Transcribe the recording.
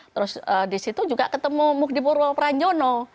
terus disitu juga ketemu mukdipurwo pranjono